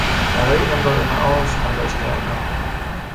برای امرار معاش تلاش کردن